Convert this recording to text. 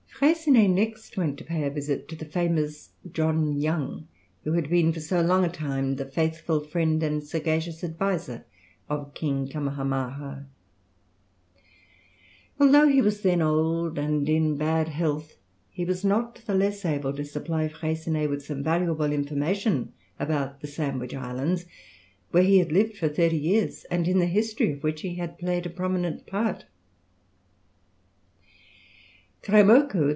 Freycinet next went to pay a visit to the famous John Young, who had been for so long a time the faithful friend and sagacious adviser of King Kamahamaha. Although he was then old and in bad health, he was not the less able to supply Freycinet with some valuable information about the Sandwich Islands, where he had lived for thirty years, and in the history of which he had played a prominent part.